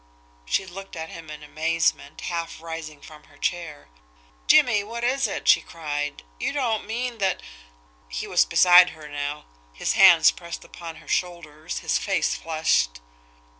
She looked at him in amazement, half rising from her chair. "Jimmie, what is it?" she cried. "You don't mean that " He was beside her now, his hands pressed upon her shoulders, his face flushed.